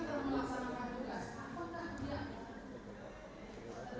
telah melaksanakan tugas